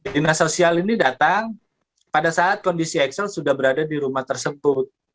dinas sosial ini datang pada saat kondisi axel sudah berada di rumah tersebut